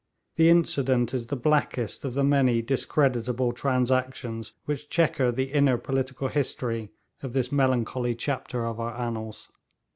The incident is the blackest of the many discreditable transactions which chequer the inner political history of this melancholy chapter of our annals.